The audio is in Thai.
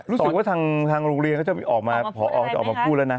รู้สึกว่าทางโรงเรียนเขาจะออกมาพอจะออกมาพูดแล้วนะ